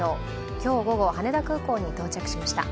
今日午後、羽田空港に到着しました。